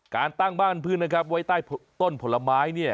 การตั้งบ้านพึงนะครับไว้ใต้ต้นผลไม้